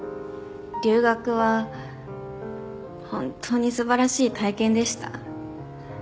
留学は本当に素晴らしい体験でした。